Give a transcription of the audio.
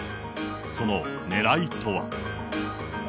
そのねらいとは。